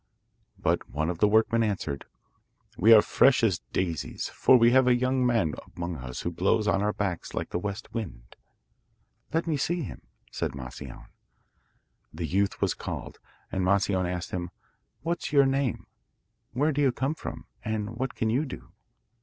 But one of the workmen answered: 'We are as fresh as daisies, for we have a young man among us who blows on our backs like the west wind.' 'Let me see him,' said Moscione. The youth was called, and Moscione asked him: 'What's your name; where do you come from, and what can you do?